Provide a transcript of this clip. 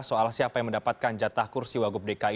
soal siapa yang mendapatkan jatah kursi wagub dki